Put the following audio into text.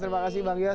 terima kasih bang gius